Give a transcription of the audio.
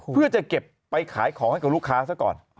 เพื่อจะเก็บไปขายของให้กับลูกค้าซะก่อน